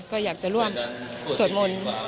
ก็อยากจะร่วมสวดมนต์